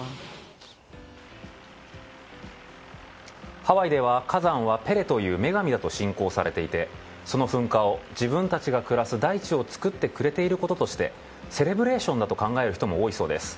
ハワイでは火山はペレという女神だと信仰されていてその噴火を自分たちの暮らす大地を作ってくれることだとしてセレブレーションだと考える人も多いそうです。